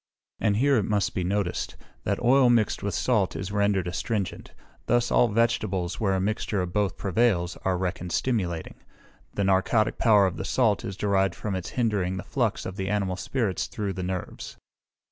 And here it must be noticed, that oil mixed with salt is rendered astringent: thus all vegetables, where a mixture of both prevails, are reckoned stimulating. The narcotic power of the salt is derived from its hindering the flux of the animal spirits through the nerves.